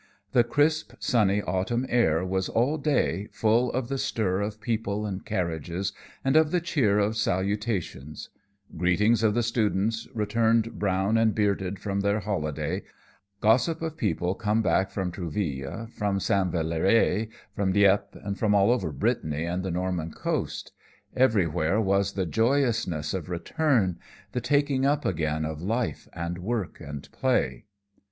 The crisp, sunny autumn air was all day full of the stir of people and carriages and of the cheer of salutations; greetings of the students, returned brown and bearded from their holiday, gossip of people come back from Trouville, from St. Valery, from Dieppe, from all over Brittany and the Norman coast. Everywhere was the joyousness of return, the taking up again of life and work and play.